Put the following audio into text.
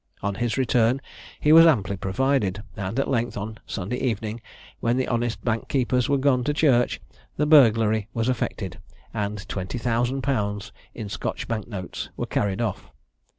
On his return he was amply provided; and at length, on Sunday evening, when the honest bank keepers were gone to church, the burglary was effected, and 20,000_l._, in Scotch bank notes, were carried off.